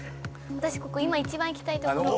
私ここ今一番行きたい所。